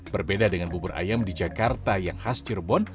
berbeda dengan bubur ayam di jakarta yang khas cirebon